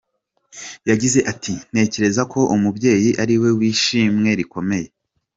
Yagize ati "Ntekereza ko umubyeyi ari we w’ishimwe rikomeye.